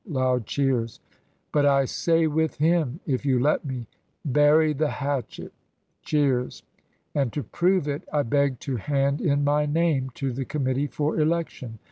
(Loud cheers.) "But I say with him, if you let me, `Bury the hatchet.'" (Cheers.) "And to prove it, I beg to hand in my name to the committee for election.